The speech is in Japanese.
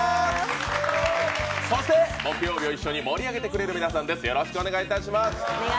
そして木曜日を一緒に盛り上げてくれる皆さんです。